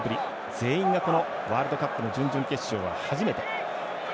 全員がワールドカップの準々決勝は初めて。